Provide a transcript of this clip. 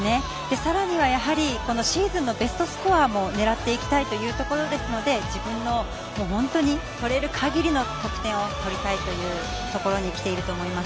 さらには、シーズンのベストスコアも狙っていきたいというところですので自分の取れる限りの得点を取りたいというところにきていると思います。